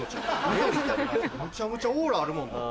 むちゃむちゃオーラあるもんな。